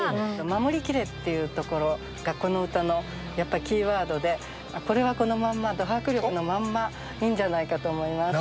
「守り切れ！」っていうところがこの歌のやっぱりキーワードでこれはこのまんまド迫力のまんまいいんじゃないかと思います。